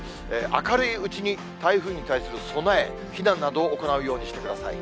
明るいうちに台風に対する備え、避難などを行うようにしてください。